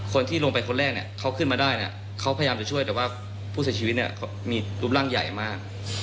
คนที่ลงไปคนแรกเนี่ยเขาขึ้นมาได้เนี่ยเขาพยายามจะช่วยแต่ว่าผู้เสียชีวิตเนี่ยมีรูปร่างใหญ่มาก